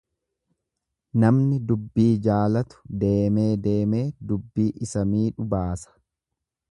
Namni dubbii jaalatu deemee deemee dubbii isa miidhu baasa.